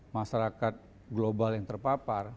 masyarakat global yang terpapar